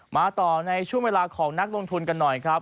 มาต่อในช่วงเวลาของนักลงทุนกันหน่อยครับ